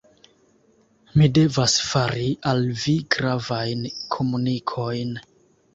Mi devas fari al vi gravajn komunikojn.